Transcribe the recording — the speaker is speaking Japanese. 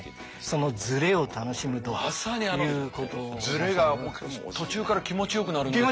ズレが途中から気持ちよくなるんですよね。